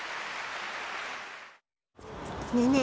ねえねえ